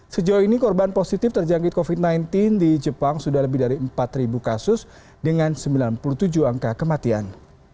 sejauh ini korban positif terjangkit covid sembilan belas di jepang sudah lebih dari empat kasus dengan sembilan puluh tujuh angka kematian